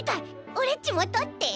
オレっちもとって。